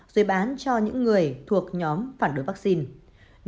rồi bán cho những người thuộc nhóm phản đối vaccine